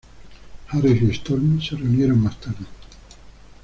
Harris y Storm se reunieron más tarde.